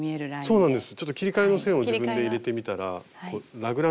そうなんです。